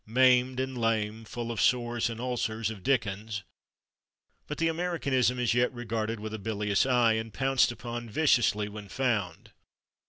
maimed and lame, full of sores and ulcers" of Dickens; but the Americanism is yet regarded with a bilious eye, and pounced upon viciously when found.